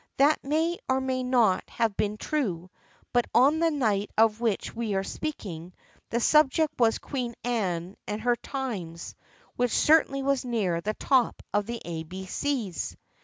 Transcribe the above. That may or may not have been true, but on the night of which we are speaking the subject was Queen Anne and her times, which certainly was near the top of the A B C's.